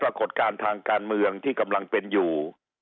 ปรากฏการณ์ทางการเมืองที่กำลังเป็นอยู่